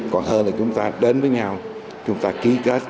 còn hơn là chúng ta đến với nhau chúng ta ký kết